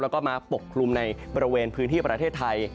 แล้วก็มาปกคลุมในบริเวณพื้นที่ประเทศไทย